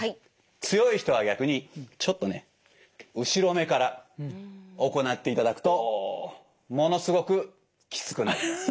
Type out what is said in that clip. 強い人は逆にちょっとね後ろめから行っていただくとものすごくきつくなります。